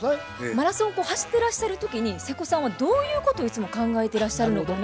マラソンこう走ってらっしゃる時に瀬古さんはどういうことをいつも考えてらっしゃるのかなっていうのを。